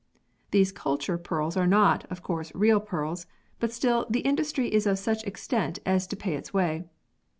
These culture pearls are not, of course, real pearls, but still, the industry is of such extent as to pay its way.